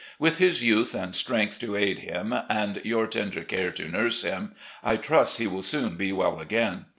With his youth and strength to aid him, and yo\ir tender care to ntirse him, I trust he will soon be well again.